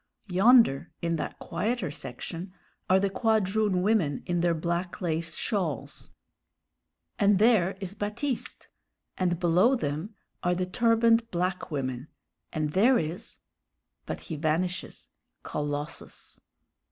Yonder in that quieter section are the quadroon women in their black lace shawls and there is Baptiste; and below them are the turbaned black women, and there is but he vanishes Colossus.